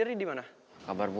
bilang dia baru sampai calamu